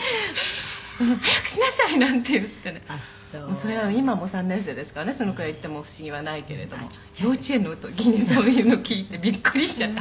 「それ今もう３年生ですからねそのくらい言っても不思議はないけれども幼稚園の時にそういうの聞いてびっくりしちゃった。